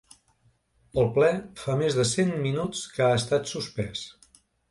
El ple fa més de cent minuts que ha estat suspès.